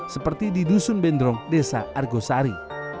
seperti di dusun bendrong desa argosari